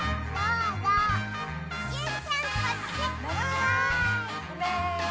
うめ？